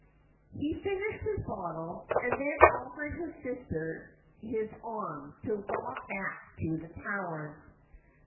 He finished his bottle, and then offered his sister his arm to walk back to the Towers.